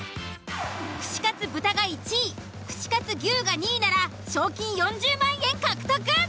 串カツ豚が１位串カツ牛が２位なら賞金４０万円獲得！